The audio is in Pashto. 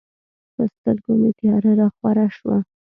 په سترګو مې تیاره راخوره شوه.